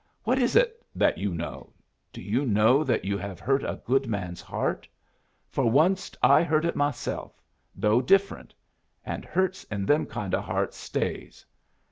'What is it that you know? Do you know that you have hurt a good man's heart? For onced I hurt it myself, though different. And hurts in them kind of hearts stays.